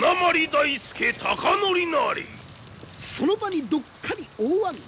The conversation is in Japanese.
その場にどっかり大あぐら。